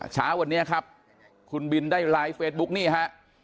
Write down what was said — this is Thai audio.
เช้าวันนี้ครับคุณบินได้ไลฟ์เฟซบุ๊คนี่ฮะ